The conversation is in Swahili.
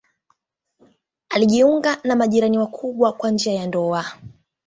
Alijiunga na majirani wakubwa kwa njia ya ndoa.